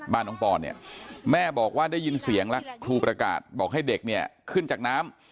น้องปอนเนี่ยแม่บอกว่าได้ยินเสียงแล้วครูประกาศบอกให้เด็กเนี่ยขึ้นจากน้ำ